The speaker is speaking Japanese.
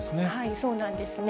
そうなんですね。